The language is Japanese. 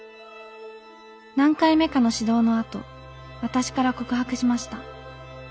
何回目かの指導のあと私から告白しました。